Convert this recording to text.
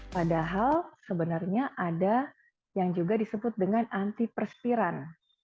padahal sebenarnya ada yang juga disebut dengan antiperspiran